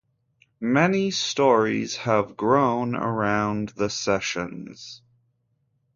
Many stories have grown around the Sessions.